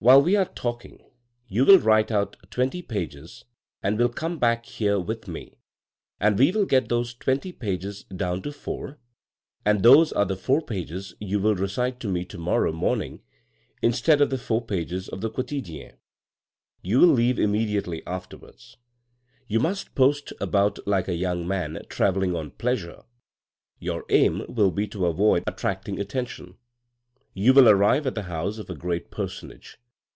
"While we are talking, you will write out twenty pages and will come back here with me, and we will get those twenty pages down to four, and those are the four pages you will recite to me to morrow morning instead of the four pages of the Quotidienne. You will leave immediately afterwards. You must post about like a young man travelling on pleasure. Your aim will be to avoid attracting attention. You will arrive at the house of a great personage.